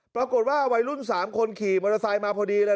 ปรากฏว่าวัยรุ่น๓คนขี่มอเตอร์ไซต์มาพอดีแล้ว